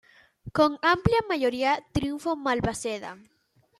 Con amplia mayoría triunfó Balmaceda.